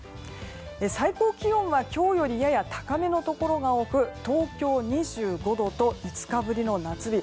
最高気温は今日よりやや高めのところが多く東京２５度と５日ぶりの夏日。